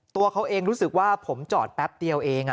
ตัวเขาเองรู้สึกว่าผมจอดแป๊บเดียวเอง